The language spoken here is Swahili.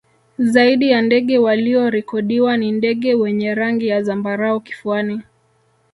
Zaidi ya ndege waliorikodiwa ni ndege wenye rangi ya zambarau kifuani